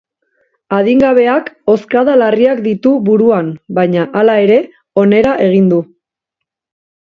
Adingabeak hozkada larriak ditu buruan baina, hala ere, onera egin du.